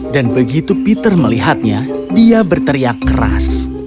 dan begitu peter melihatnya dia berteriak keras